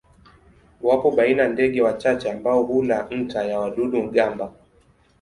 Wapo baina ndege wachache ambao hula nta ya wadudu-gamba.